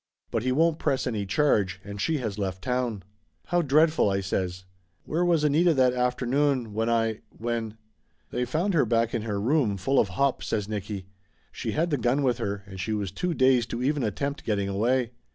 But he won't press any charge, and she has left town." "How dreadful!" I says. "Where was Anita that afternoon when I when " "They found her back in her room, full of hop," says Nicky. "She had the gun with her and she was too dazed to even attempt getting way.